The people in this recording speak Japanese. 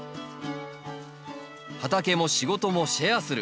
畑も仕事もシェアする。